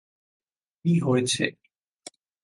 কি হয়েছে?